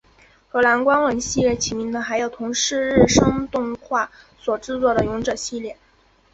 和蓝光人系列齐名的还有同样是日升动画所制作的勇者系列。